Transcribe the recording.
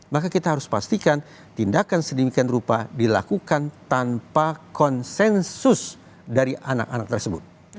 maka kita harus pastikan tindakan sedemikian rupa dilakukan tanpa konsensus dari anak anak tersebut